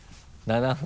７分。